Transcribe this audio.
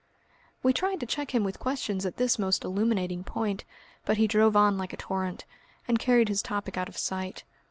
We tried to check him with questions at this most illuminating point, but he drove on like a torrent, and carried his topic out of sight.